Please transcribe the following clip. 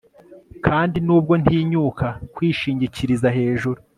Kandi nubwo ntinyuka kwishingikiriza hejuru